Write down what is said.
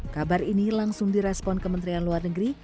kabar ini langsung direspon kementerian luar negeri